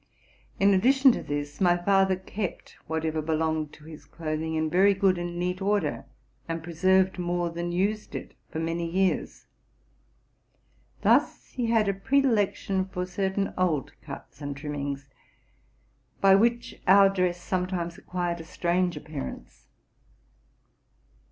In addition to this, my father kept whatever belonged to his clothing in very good and neat order, and preserved more than used it for many years. Thus he had a predilec tion for certain old cuts and trimmings, by which our dress sometimes acquired a strange appearance.